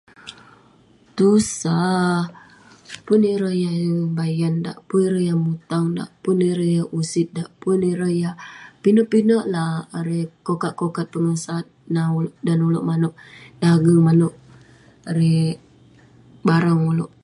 Tusah..pun ireh yah yeng bayan dak, pun ireh yah mutang dak, pun ireh usit dak, pun ireh yah..pinek pinek la kokat kokat pengesat dan ulouk manouk dageng, manouk erei..barang ulouk